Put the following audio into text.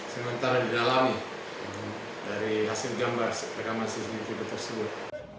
sementara didalami dari hasil gambar rekaman cctv tersebut